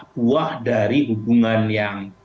buah dari hubungan yang